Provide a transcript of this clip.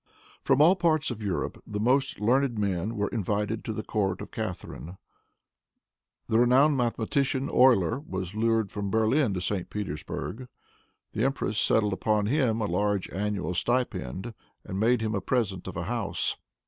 From all parts of Europe the most learned men were invited to the court of Catharine. The renowned mathematician, Euler, was lured from Berlin to St. Petersburg. The empress settled upon him a large annual stipend, and made him a present of a house.